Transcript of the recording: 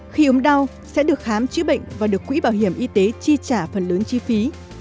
khi ốm đau sẽ được khám chữa bệnh và được quỹ bảo hiểm y tế chi trả phần lớn chi phí